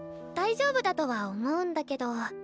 大丈夫だとは思うんだけど。